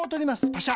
パシャ。